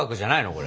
これ。